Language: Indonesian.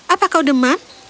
apa kau demam